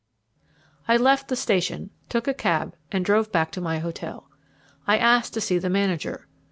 I left the station, took a cab, and drove back to my hotel. I asked to see the manager.